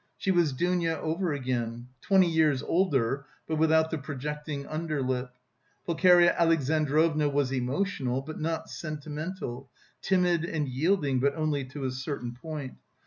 She was Dounia over again, twenty years older, but without the projecting underlip. Pulcheria Alexandrovna was emotional, but not sentimental, timid and yielding, but only to a certain point.